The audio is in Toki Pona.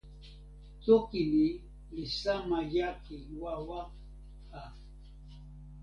toki ni li sama jaki wawa a.